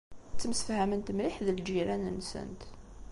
Ttemsefhament mliḥ d lǧiran-nsent.